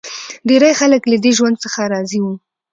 ډېری خلک له دې ژوند څخه راضي وو